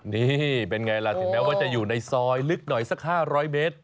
นี่เป็นไงล่ะถึงแม้ว่าจะอยู่ในซอยลึกหน่อยสัก๕๐๐เมตร